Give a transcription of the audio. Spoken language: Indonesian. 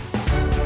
biar lana tahu